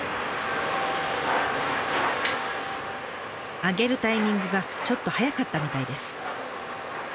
上げるタイミングがちょっと早かったみたいです。